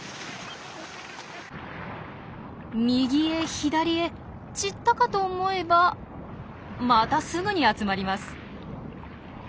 右へ左へ散ったかと思えばまたすぐに集まります。